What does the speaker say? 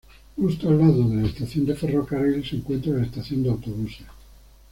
Justo al lado de la estación de ferrocarril se encuentra la estación de autobuses.